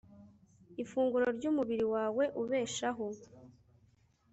ifunguro, ry'umubiri wawe ubeshaho